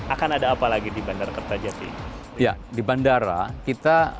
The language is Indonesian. akan ada apa lagi di bandara kerta jati